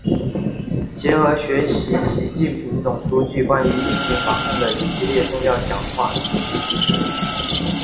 结合认真学习习近平总书记关于疫情防控的一系列重要讲话、指示精神